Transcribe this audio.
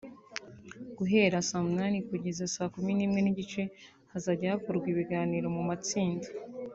Guhera saa munani kugeza saa kumi n’imwe n’igice hazajya hakorwa ibiganiro mu matsinda